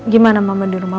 gimana mama di rumah